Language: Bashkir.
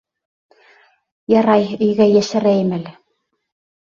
Ярай, өйгә йәшерәйем әле.